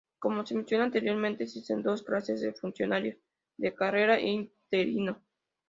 Como se menciona anteriormente existen dos clases de funcionarios, de carrera e interino.